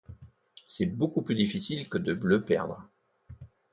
C’est beaucoup plus difficile que de le perdre.